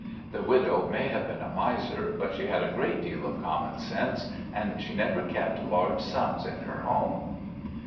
The widow may have been a miser, but she had a great deal of common sense, and she never kept large sums in her home.